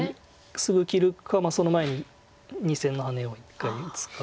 すぐ切るかその前に２線のハネを一回打つか。